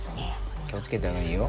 気を付けた方がいいよ。